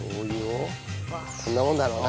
こんなもんだろうな。